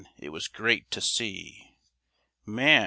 it was great to see! Man!